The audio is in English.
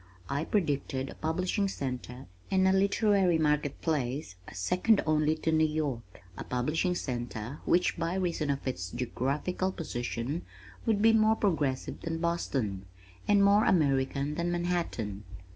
I predicted a publishing center and a literary market place second only to New York, a publishing center which by reason of its geographical position would be more progressive than Boston, and more American than Manhattan.